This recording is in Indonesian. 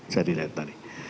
seri rad tadi